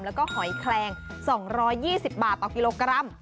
แล้วก็หอยแคลง๒๒๐บาทต่อกิโลกรัม